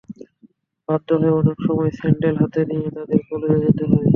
বাধ্য হয়ে অনেক সময় স্যান্ডেল হাতে নিয়ে তাঁদের কলেজে যেতে হয়।